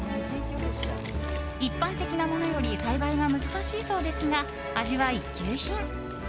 一般的なものより栽培が難しいそうですが味は一級品。